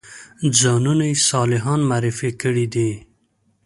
ځانونه یې صالحان معرفي کړي دي.